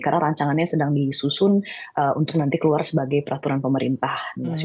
karena rancangannya sedang disusun untuk nanti keluar sebagai peraturan pemerintah